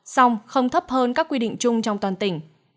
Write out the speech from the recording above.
song không thấp hơn các quy định chung trong toàn tỉnh